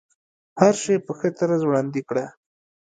هر شی په ښه طرز وړاندې کړه.